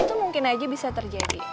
itu mungkin aja bisa terjadi